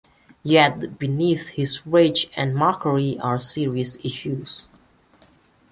Yet beneath his rage and mockery are serious issues.